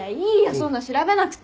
そんな調べなくて！